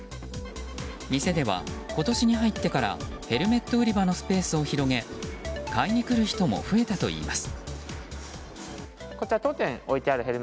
店では今年に入ってからヘルメット売り場のスペースを広げ買いに来る人も増えたといいます。